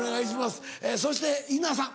そして伊奈さん。